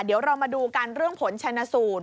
เดี๋ยวเรามาดูกันเรื่องผลชนะสูตร